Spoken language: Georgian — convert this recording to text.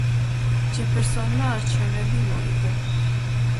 ჯეფერსონმა არჩევნები მოიგო.